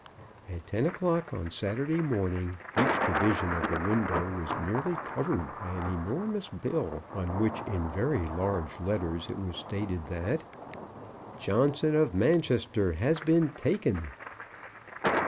At ten o'clock on Saturday morning each division of the window was nearly covered by an enormous bill, on which in very large letters it was stated that Johnson of Manchester has been taken.